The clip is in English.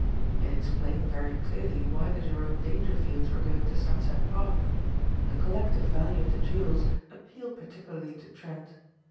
It explained very clearly why the Jerome Dangerfields were going to Sunset Park. The collective value of the jewels appealed particularly to Trent.